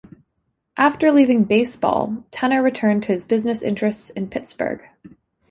After leaving baseball, Tener returned to his business interests in Pittsburgh.